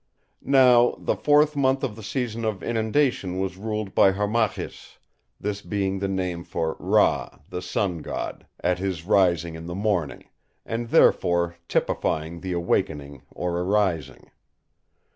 Now, the fourth month of the season of Inundation was ruled by Harmachis, this being the name for 'Ra', the Sun God, at his rising in the morning, and therefore typifying the awakening or arising.